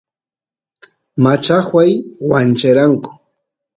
machajuay wancheranku